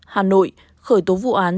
hà nội khởi tố vụ án